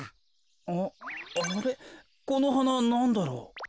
んあれこのはななんだろう？